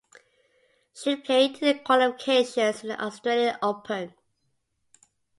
She played in the qualifications at the Australian Open.